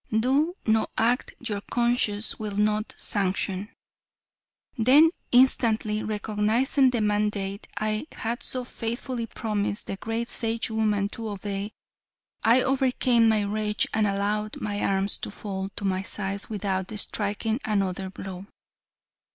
"Do no act your conscience will not sanction." Then instantly recognizing the mandate I had so faithfully promised the great Sagewoman to obey, I overcame my rage and allowed my arms to fall to my sides without striking another blow.